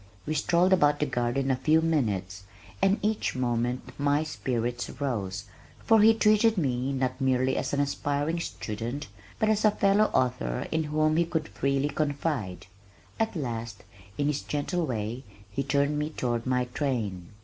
We strolled about the garden a few minutes and each moment my spirits rose, for he treated me, not merely as an aspiring student, but as a fellow author in whom he could freely confide. At last, in his gentle way, he turned me toward my train.